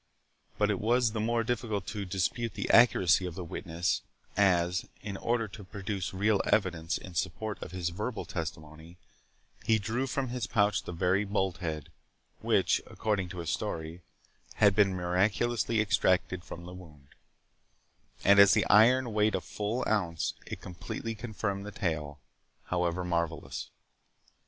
But it was the more difficult to dispute the accuracy of the witness, as, in order to produce real evidence in support of his verbal testimony, he drew from his pouch the very bolt head, which, according to his story, had been miraculously extracted from the wound; and as the iron weighed a full ounce, it completely confirmed the tale, however marvellous.